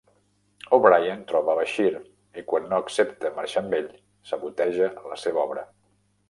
O'Brien troba Bashir, i quan no accepta marxar amb ell, saboteja la seva obra.